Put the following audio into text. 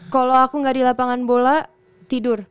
kalau aku nggak di lapangan bola tidur